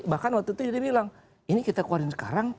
bahkan waktu itu dia bilang ini kita keluarin sekarang